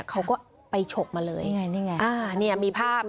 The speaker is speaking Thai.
เขาก็ไปฉกมาเลยไงนี่ไงมีภาพ